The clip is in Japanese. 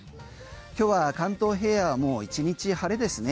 今日は関東平野も１日晴れですね。